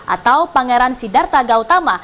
atau pangeran siddhartha gautama